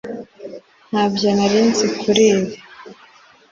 ntacyo nari nzi kuri ibi